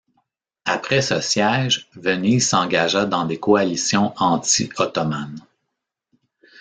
Après ce siège, Venise s’engagea dans des coalitions anti-ottomanes.